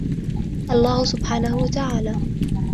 الله سبحانه و تعالى